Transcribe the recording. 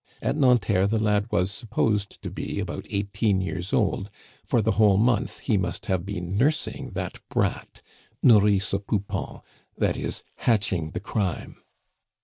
At Nanterre the lad was supposed to be about eighteen years old, for the whole month he must have been nursing that brat (nourri ce poupon, i.e. hatching the crime).